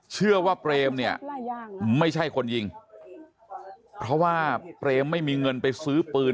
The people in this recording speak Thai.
เชื่อว่าเปรมเนี่ยไม่ใช่คนยิงเพราะว่าเปรมไม่มีเงินไปซื้อปืน